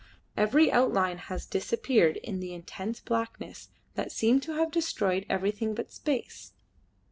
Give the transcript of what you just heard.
Every outline had disappeared in the intense blackness that seemed to have destroyed everything but space.